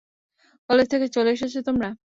College থেকে চলে এসেছো তোমরা?